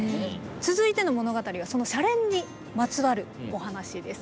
続いての物語はその「シャレン！」にまつわるお話です。